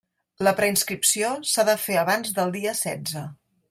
La preinscripció s'ha de fer abans del dia setze.